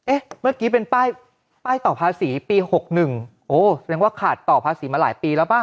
เมื่อกี้เป็นป้ายต่อภาษีปี๖๑โอ้แสดงว่าขาดต่อภาษีมาหลายปีแล้วป่ะ